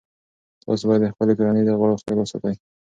تاسو باید د خپلې کورنۍ د غړو خیال وساتئ.